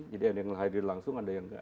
jadi ada yang hybrid langsung ada yang tidak